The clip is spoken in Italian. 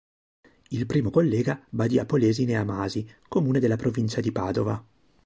Il primo collega Badia Polesine a Masi, comune della provincia di Padova.